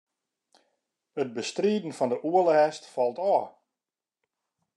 It bestriden fan de oerlêst falt ôf.